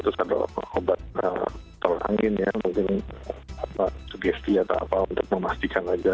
terus ada obat telur angin ya mungkin sugesti atau apa untuk memastikan aja